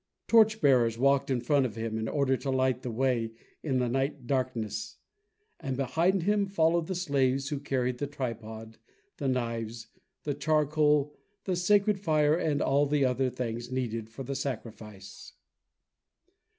Torch bearers walked in front of him in order to light the way in the night darkness and behind him followed the slaves, who carried the tripod, the knives, the charcoal, the sacred fire, and all the other things needed for the sacrifice.